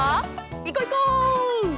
いこういこう！